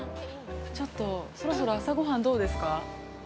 ちょっとそろそろ朝ごはん、どうですか。